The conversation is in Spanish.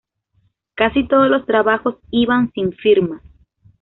Casi todos los trabajos iban sin firmas.